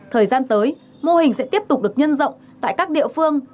thời gian tới mô hình sẽ tiếp tục được nhân rộng tại các địa phương